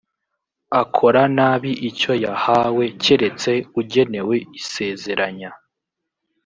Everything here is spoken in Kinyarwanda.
akora nabi icyo yahawe keretse ugenewe isezeranya